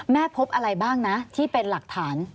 พบอะไรบ้างนะที่เป็นหลักฐาน